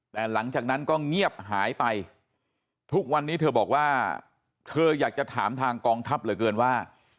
แต่หลังจากนั้นก็เงียบหายไปทุกวันนี้เธอบอกว่าเธออยากจะถามทางกองทัพเหลือเกินว่า